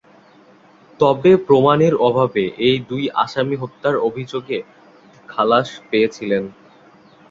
তবে প্রমাণের অভাবে এই দুই আসামি হত্যার অভিযোগে খালাস পেয়েছিলেন।